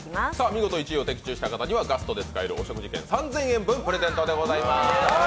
見事１位を的中した方は、ガストのお食事券３０００円分をプレゼントでございます。